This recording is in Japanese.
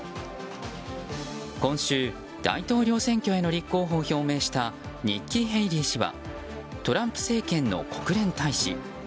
今週大統領選挙への立候補を表明したニッキー・ヘイリー氏はトランプ政権の国連大使。